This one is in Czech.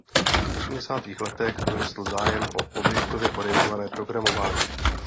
V osmdesátých letech vzrostl zájem o objektově orientované programování.